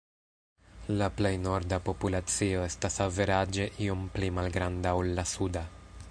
La plej norda populacio estas averaĝe iom pli malgranda ol la suda.